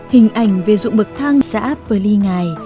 hình ảnh về dụng bậc thang xã pờ ly ngài